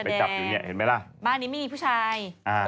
บ้านนี้ไม่มีผู้ชาย